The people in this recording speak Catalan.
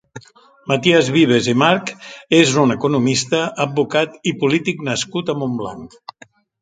Maties Vives i March és un economista, advocat i polític nascut a Montblanc.